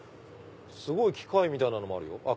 すごい機械みたいなのもあるよ。